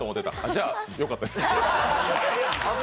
じゃ、よかったです。